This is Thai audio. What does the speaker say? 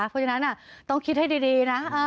เพราะฉะนั้นต้องคิดให้ดีนะ